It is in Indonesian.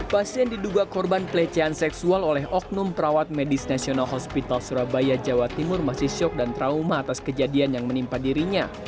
pasien diduga korban pelecehan seksual oleh oknum perawat medis nasional hospital surabaya jawa timur masih syok dan trauma atas kejadian yang menimpa dirinya